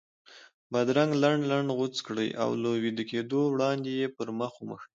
بادرنګ لنډ لنډ غوڅ کړئ او له ویده کېدو وړاندې یې پر مخ وموښئ.